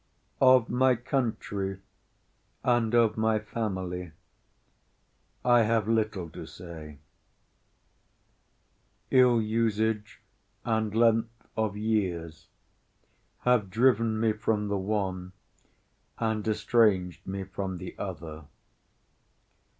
Of my country and of my family I have little to say. Ill usage and length of years have driven me from the one, and estranged me from the other.